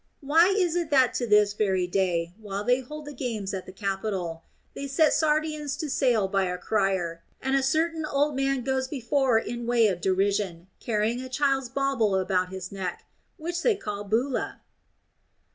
Why is it that to this very day, while they hold the games at the Capitol, they set Sardians to sale by a crier, and a certain old man goes before in way of derision, carrying a child's bauble about his neck, which they call bulla?